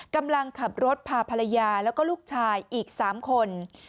กำลังขับรถพาภรรยาแล้วก็ลูกชายอีก๓คน